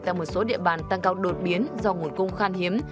tại một số địa bàn tăng cao đột biến do nguồn cung khan hiếm